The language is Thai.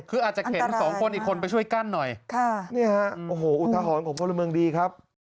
คืออาจจะเข็นสองคนอีกคนไปช่วยกั้นหน่อยค่ะนี่ฮะโอ้โหอุทหรณ์ของพลเมืองดีครับ